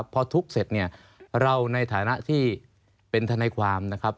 พอทุกข์เสร็จเนี่ยเราในฐานะที่เป็นทนายความนะครับ